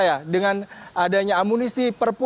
yang mungkin ada yang punya negosia yang mungkin ada karakteristik